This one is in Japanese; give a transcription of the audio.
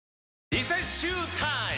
リセッシュータイム！